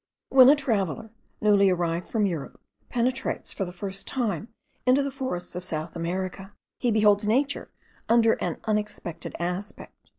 When a traveller newly arrived from Europe penetrates for the first time into the forests of South America, he beholds nature under an unexpected aspect.